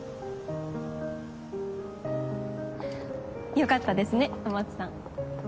良かったですね戸松さん。